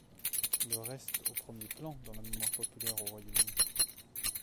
Le reste au premier plan dans la mémoire populaire au Royaume-Uni.